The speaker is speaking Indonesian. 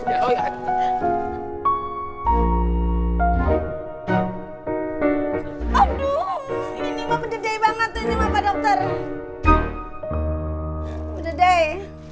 aduh ini mah bedai banget ini mah pak dokter bedai